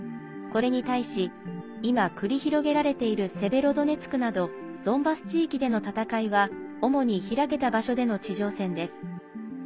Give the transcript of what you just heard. これに対し今繰り広げられているセベロドネツクなどドンバス地域での戦いは主に開けた場所での地上戦です。